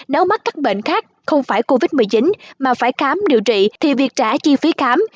nếu mắc các bệnh khác không phải covid một mươi chín mà phải khám điều trị thì việc trả chi phí khám